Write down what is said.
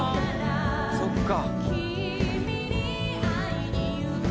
「そっか！」